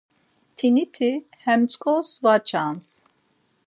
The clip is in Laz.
Mtiniti he mtzǩos var çans.